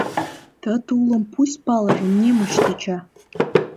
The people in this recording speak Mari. Ты тулым Пусть палыже немыч тӱча!